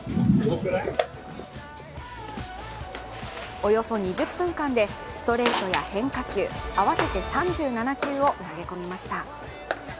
およそ２０分間でストレートや変化球合わせて３７球を投げ込みました。